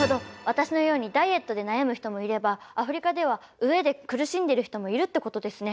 私のようにダイエットで悩む人もいればアフリカでは飢えで苦しんでる人もいるってことですね。